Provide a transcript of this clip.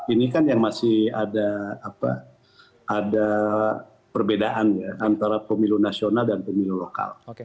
ini kan yang masih ada perbedaan antara pemilu nasional dan pemilu lokal